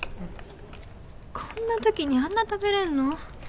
こんな時にあんな食べれんの？